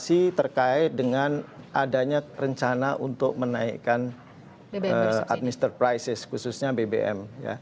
informasi terkait dengan adanya rencana untuk menaikkan adminster prices khususnya bbm